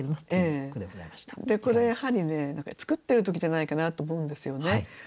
でこれやはりね作ってる時じゃないかなと思うんですよね。